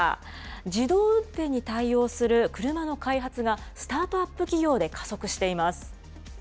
自動運転に対応する車の開発が、スタートアップ企業で加速しています。